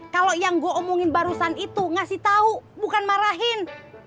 kalau yang gue omongin barusan itu ngasih tau bukan marahin